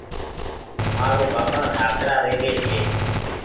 مآرو ٻآٻآ سآڪرآ رهوي ڇي